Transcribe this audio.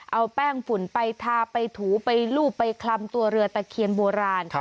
เอาแป้งฝุ่นไปทาไปถูไปรูปไปคลำตัวเรือตะเคียนโบราณ